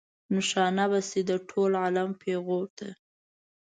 نشانه به شئ د ټول عالم پیغور ته.